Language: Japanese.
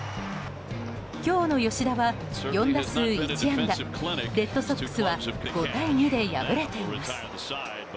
今日の吉田は４打数１安打レッドソックスは５対２で敗れています。